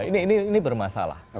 nah ini bermasalah